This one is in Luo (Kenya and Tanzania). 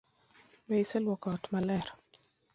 Be iseluoko ot maler?